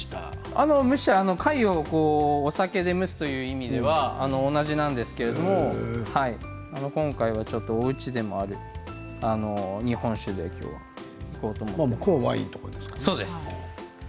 貝をお酒で蒸すという意味では同じなんですけれども今回は、ちょっとおうちでもある日本酒でいこうと思います。